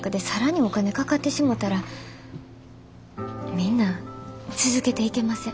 みんな続けていけません。